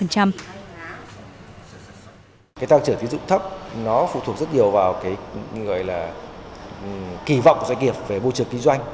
cái tăng trưởng tín dụng thấp nó phụ thuộc rất nhiều vào kỳ vọng của doanh nghiệp về bộ trưởng kinh doanh